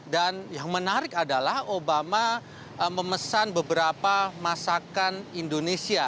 dan yang menarik adalah obama memesan beberapa masakan indonesia